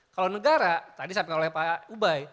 kalau negara tadi sampai oleh pak ubay